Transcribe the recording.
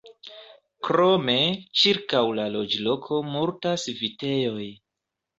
Krome, ĉirkaŭ la loĝloko multas vitejoj.